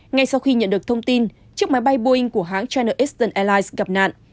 ngay sau khi nhận được thông tin chiếc máy bay boeing của hãng china istan airlines gặp nạn